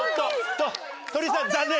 鳥居さん残念。